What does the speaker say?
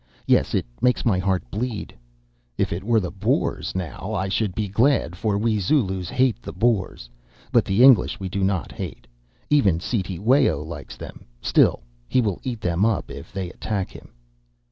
Yes, it makes my heart bleed. If it were the Boers now, I should be glad, for we Zulus hate the Boers; but the English we do not hate; even Cetewayo likes them; still, he will eat them up if they attack him.